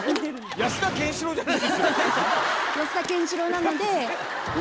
安田ケンシロウなので。